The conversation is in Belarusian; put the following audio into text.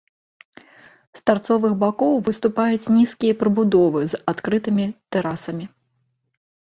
З тарцовых бакоў выступаюць нізкія прыбудовы з адкрытымі тэрасамі.